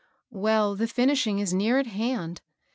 " Well, the finishing is near at hand.